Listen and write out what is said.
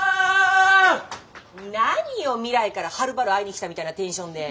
なによ未来からはるばる会いに来たみたいなテンションで。